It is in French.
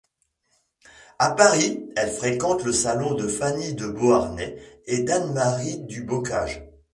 À Paris, elle fréquente le salon de Fanny de Beauharnais et d’Anne-Marie du Boccage.